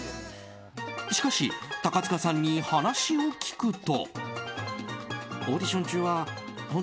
しかし、高塚さんに話を聞くと。